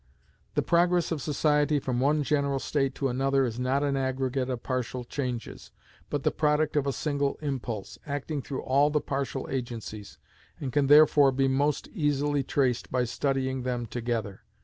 The progress of society from one general state to another is not an aggregate of partial changes, but the product of a single impulse, acting through all the partial agencies, and can therefore be most easily traced by studying them together.